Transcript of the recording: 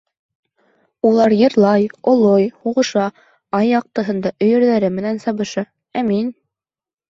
Улар йырлай, олой, һуғыша, ай яҡтыһында өйөрҙәре менән сабыша, ә мин...